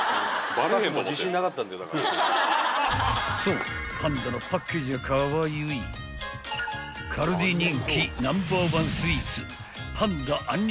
［そうパンダのパッケージがかわゆいカルディ人気ナンバーワンスイーツ］